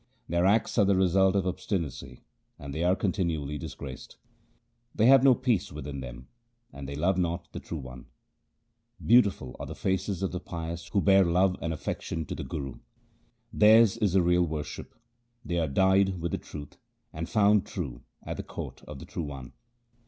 Their acts are the result of obstinacy, and they are con tinually disgraced. They have no peace within them, and they love not the True One. Beautiful are the faces of the pious who bear love and affection to the Guru. Theirs is the real worship ; they are dyed with the truth, and found true at the court of the True One.